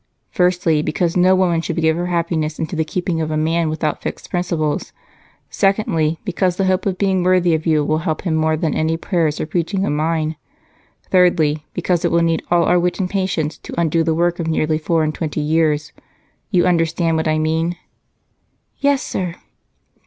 "Firstly, because no woman should give her happiness into the keeping of a man without fixed principles; secondly, because the hope of being worthy of you will help him more than any prayers or preaching of mine. Thirdly, because it will need all our wit and patience to undo the work of nearly four and twenty years. You understand what I mean?" "Yes, sir."